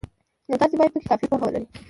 نو تاسې باید پکې کافي پوهه ولرئ.